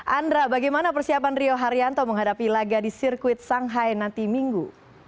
andra bagaimana persiapan rio haryanto menghadapi laga di sirkuit shanghai nanti minggu